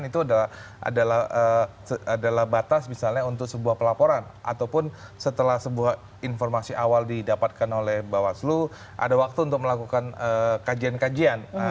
itu adalah batas misalnya untuk sebuah pelaporan ataupun setelah sebuah informasi awal didapatkan oleh bawaslu ada waktu untuk melakukan kajian kajian